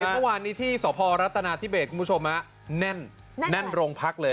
ทุกวันนี้ที่สภอรัฐตนาที่เบสคุณผู้ชมน่ะแน่นแน่นแน่นโรงพักเลย